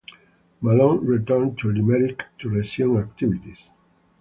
Malone returned to Limerick to resume activities.